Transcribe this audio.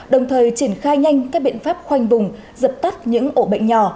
đồng thời triển khai nhanh các biện pháp khoanh vùng dập tắt những ổ bệnh nhỏ